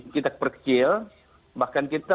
kita kepercil bahkan kita